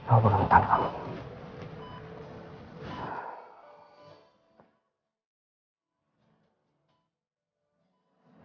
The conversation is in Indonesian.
aku pegang tanganku